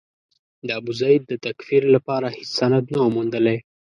د ابوزید د تکفیر لپاره هېڅ سند نه و موندلای.